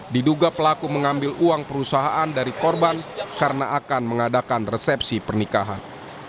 diduga pelaku mengambil uang perusahaan dari korban karena akan mengadakan resepsi pernikahan